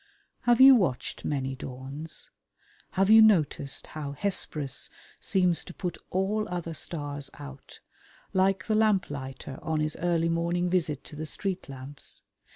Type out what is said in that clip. Have you watched many dawns? Have you noticed how Hesperus seems to put all other stars out, like the lamplighter on his early morning visit to the street lamps?